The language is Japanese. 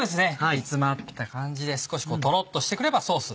煮詰まってきた感じで少しとろっとしてくればソース